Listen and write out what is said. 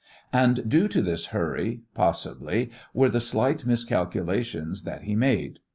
And, due to this hurry, possibly, were the slight miscalculations that he made.